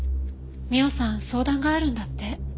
美緒さん相談があるんだって。